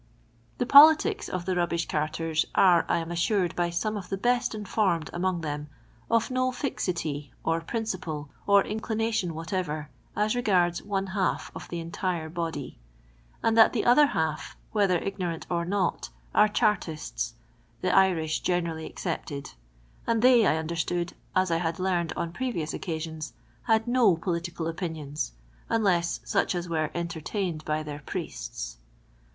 Tht Poliiic* of Ou rubhithrcai ters are, I am assured by some of the best informed among them, of no fixity, or principle, or inclination whatever, as regards one half of the entire body; and that the other half, whether ignorant or not, are Chartists, the Irish generally excepted; and they, I understood, as I had learned on previous occasions, had no political opinions, unless such as were entertained by their priests.